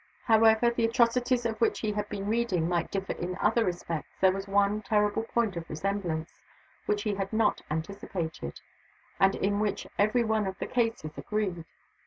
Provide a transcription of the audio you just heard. However the atrocities of which he had been reading might differ in other respects, there was one terrible point of resemblance, which he had not anticipated, and in which every one of the cases agreed.